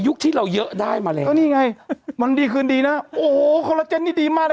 ที่เราเยอะได้มาแล้วก็นี่ไงมันดีคืนดีนะโอ้โหคอลลาเจนนี่ดีมากนะ